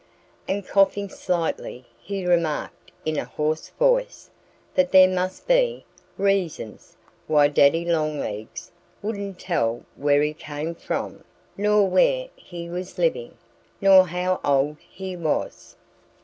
And coughing slightly he remarked in a hoarse voice that there must be reasons why Daddy Longlegs wouldn't tell where he came from, nor where he was living, nor how old he was.